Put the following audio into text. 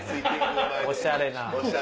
おしゃれな。